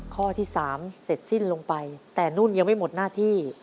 ข้อที่๓เสร็จสิ้นลงไปแต่นุ่นยังไม่หมดหน้าที่